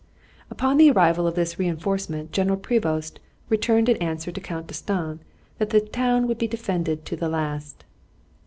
Upon the arrival of this re enforcement General Prevost returned an answer to Count D'Estaing that the town would be defended to the last.